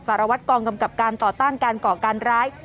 สารวัตรกองกำกับการต่อต้านการก่อการร้าย